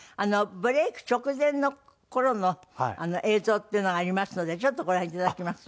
ブレイク直前の頃の映像っていうのがありますのでちょっとご覧いただきます。